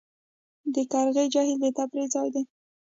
د قرغې جهیل د تفریح ځای دی